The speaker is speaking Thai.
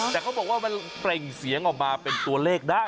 แต่เขาบอกว่ามันเปล่งเสียงออกมาเป็นตัวเลขได้